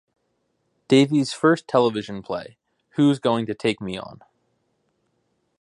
Davies' first television play, Who's Going to Take Me On?